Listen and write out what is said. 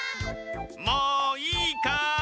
もういいかい？